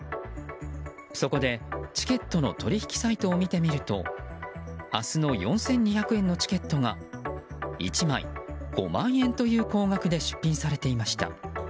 そこで、チケットの取引サイトを見てみると明日の４２００円のチケットが１枚５万円という高額で出品されていました。